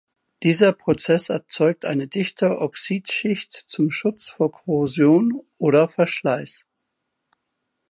Dieser Prozess erzeugt eine dichte Oxidschicht zum Schutz vor Korrosion oder Verschleiß.